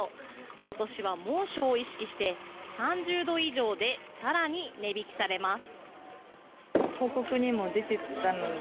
今年は猛暑を意識して３０度以上で更に値引きされます。